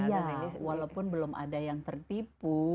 iya walaupun belum ada yang tertipu